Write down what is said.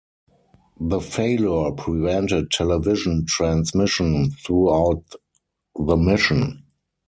The failure prevented television transmission throughout the mission.